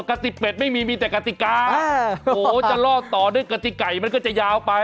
กติเป็ดไม่มีมีแต่กติกาโหจะล่อต่อด้วยกติไก่มันก็จะยาวไป